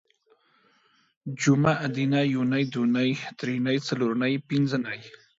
جومه ادینه یونۍ دونۍ درېنۍ څلورنۍ پنځنۍ